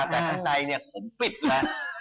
แต่ข้างในนี้ขมปิดเลย